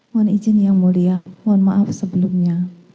mohon izin yang mulia mohon maaf sebelumnya